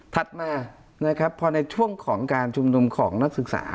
ถัดมานะครับพอในช่วงของการชุมนุมของนักศึกษา